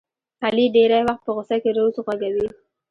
علي ډېری وخت په غوسه کې روض غږوي.